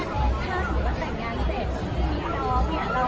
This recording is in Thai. ทุกอย่างเนี่ยนะคะเท่าที่ตลาดลงไปบ้างะ